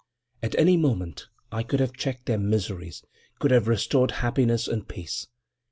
At any moment I could have checked their miseries, could have restored happiness and peace.